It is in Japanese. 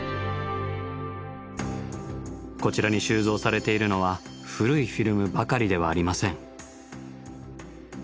こちらに収蔵されているのは古いフィルムばかりではありません。